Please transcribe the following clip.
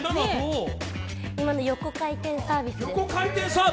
今の横回転サービスです。